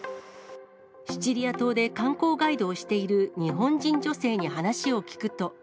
シチリア島で観光ガイドをしている日本人女性に話を聞くと。